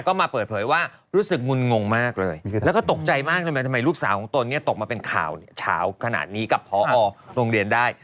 ก็มาเปิดเผยว่ารู้สึกงุนงงมากเลยแล้วก็ตกใจมากทำไมทำไมลูกสาวของตนเนี่ยตกมาเป็นข่าวเฉาขนาดนี้กับพอโรงเรียนได้